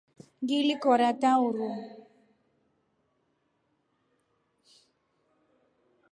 Ngili kora taa uruu.